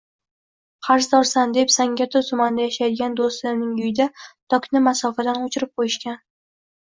Qarzdorsan deb Zangiota tumanida yashaydigan doʻstimning uyida tokni masofadan oʻchirib qoʻyishgan.